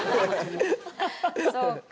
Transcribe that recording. そうか。